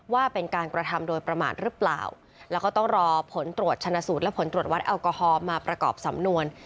ว่าเป็นการกระทำโดยประมาทหรือเปล่าแล้วก็ต้องรอผลตรวจชนะสูตรและผลตรวจวัดแอลกอฮอล์มาประกอบสำนวน